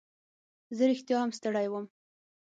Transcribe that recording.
زه رښتیا هم ستړی وم.